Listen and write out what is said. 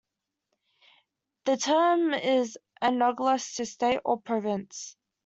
The term is analogous to "state" or "province".